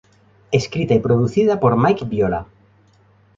Escrita y producida por "Mike Viola".